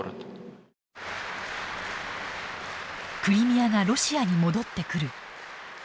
クリミアがロシアに戻ってくる。